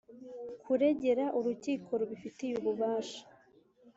kuregera urukiko rubifitiye ububasha